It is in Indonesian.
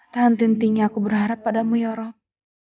tahan tentinya aku berharap padamu ya rok